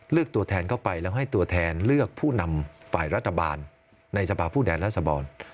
ตัวแทนเข้าไปแล้วให้ตัวแทนเลือกผู้นำฝ่ายรัฐบาลในสภาพผู้แทนรัศดร